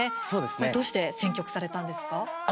どうして選曲されたんですか？